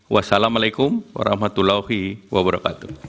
wassalamu alaikum warahmatullahi wabarakatuh